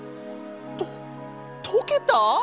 ととけた！？